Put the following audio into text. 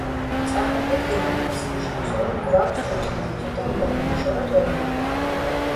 წარმოვიდგინოთ, ეს ნიშნავს რომ გვაქვს ხუთი ნივთი და უნდა მოვაშოროთ ორი ნივთი.